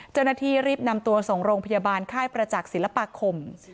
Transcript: เจ้าหน้าที่รีบนำตัวส่งโรงพยาบาลค่ายประจักษ์ศิลปาคม